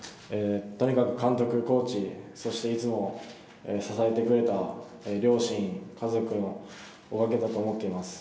とにかく監督、コーチ、そしていつも支えてくれた両親、家族のおかげだと思っています。